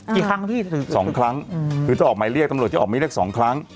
กี่ครั้งพี่ถึงสองครั้งคือจะออกหมายเรียกตำรวจจะออกไม่เรียกสองครั้ง